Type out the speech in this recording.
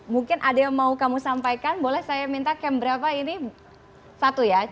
mungkin ada yang mau kamu sampaikan boleh saya minta camp berapa ini satu ya